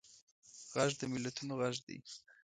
غږ د ملتونو غږ دی